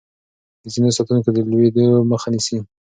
د زينو ساتونکي د لوېدو مخه نيسي.